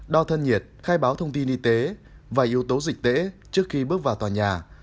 đo thân nhiệt khai báo thông tin y tế và yếu tố dịch tễ trước khi bước vào tòa nhà